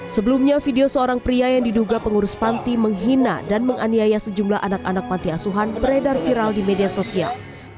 sebelumnya video seorang pria yang diduga pengurus panti menghina dan menganiaya sejumlah anak anak panti asuhan beredar viral di media sosial